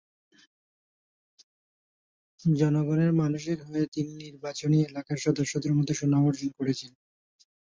জনগণের মানুষ হয়ে তিনি নির্বাচনী এলাকার সদস্যদের মধ্যে সুনাম অর্জন করেছিলেন।